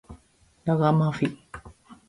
ラガマフィン